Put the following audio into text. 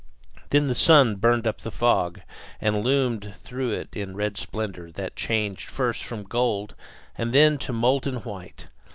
Then the sun burned up the fog, and loomed through it in a red splendor that changed first to gold and then to molten white.